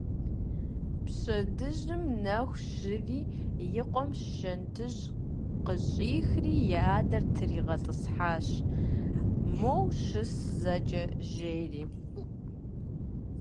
Пщэджыжьым нэху щыри и къуэм шэнтыжьыр къыщӀихри и адэр тригъэтӀысхьащ, моуэ щыс зэкӀэ жери.